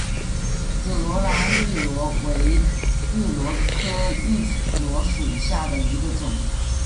紫萝兰芋螺为芋螺科芋螺属下的一个种。